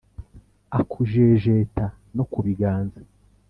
Akujejeta no ku biganza